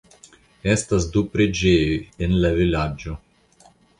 Estas du preĝejoj en la vilaĝo.